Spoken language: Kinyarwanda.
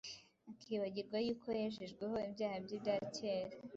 akibagirwa yuko yejejweho ibyaha bye bya kera